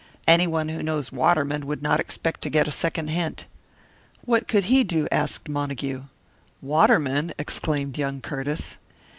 Anyone who knows Waterman would not expect to get a second hint." "What could he do?" asked Montague. "Waterman!" exclaimed young Curtiss.